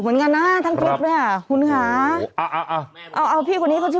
เหมือนกันค่ะทั้งครบเนี้ยคุณค้า